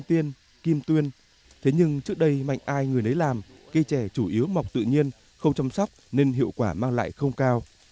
trước đây mạnh ai người nấy làm cây trẻ chủ yếu mọc tự nhiên không chăm sóc nên hiệu quả mang lại không cao